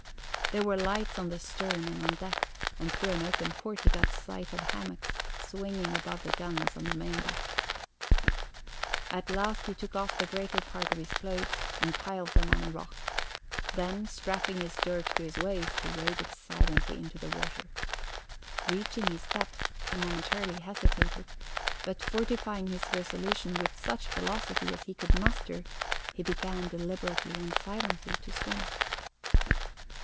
There were lights on the stern and on deck, and through an open port he got sight of hammocks swinging above the guns on the main deck. At last he took off the greater part of his clothes and piled them on a rock; then, strapping his dirk to his waist, he waded silently into the water. Reaching his depth, he momentarily hesitated, but fortifying his resolution with such philosophy as he could muster, he began deliberately and silently to swim.